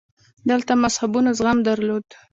دلته مذهبونو زغم درلود